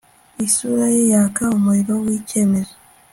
Isura ye yaka umuriro wicyemezo